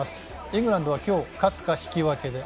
イングランドは今日、勝つか、引き分けで。